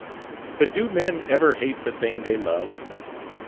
But do men ever hate the thing they love?